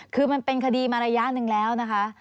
คือมันเป็นคดีมาระยะหนึ่งแล้วนะคะ